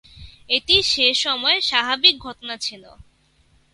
এটি সেসময় স্বাভাবিক ঘটনা ছিল।